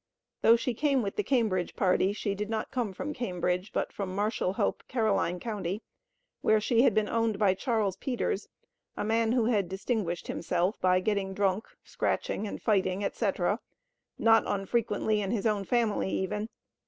Though she came with the Cambridge party, she did not come from Cambridge, but from Marshall Hope, Caroline County, where she had been owned by Charles Peters, a man who had distinguished himself by getting "drunk, scratching and fighting, etc.," not unfrequently in his own family even.